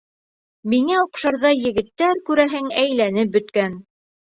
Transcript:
Миңә оҡшарҙай егеттәр, күрәһең, әйләнеп бөткән.